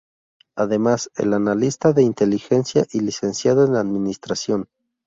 Además, es analista de Inteligencia y licenciado en Administración.